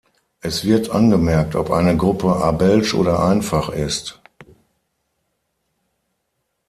Es wird angemerkt, ob eine Gruppe abelsch oder einfach ist.